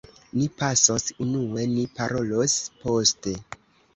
Ni pasos unue; ni parolos poste.